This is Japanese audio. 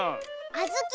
あずき！